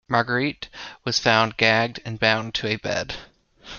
Marguerite was found gagged and bound to a bed.